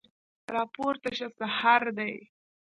راپورته شه سحر دی